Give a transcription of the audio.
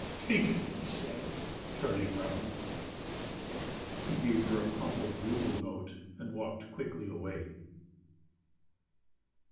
"Take it," he said, turning round. He gave her a crumpled rouble note and walked quickly away.